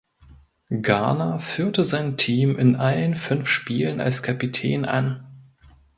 Garner führte sein Team in allen fünf Spielen als Kapitän an.